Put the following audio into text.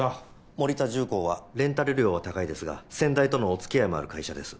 守田重工はレンタル料は高いですが先代とのおつきあいもある会社です。